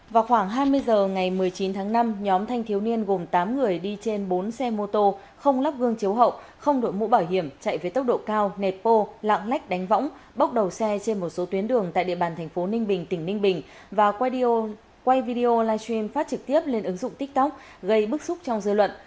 vào khoảng hai mươi h ngày một mươi chín tháng năm nhóm thanh thiếu niên gồm tám người đi trên bốn xe mô tô không lắp gương chiếu hậu không đội mũ bảo hiểm chạy với tốc độ cao nẹt pô lạng lách đánh võng bốc đầu xe trên một số tuyến đường tại địa bàn thành phố ninh bình tỉnh ninh bình và quay video live stream phát trực tiếp lên ứng dụng tiktok gây bức xúc trong dư luận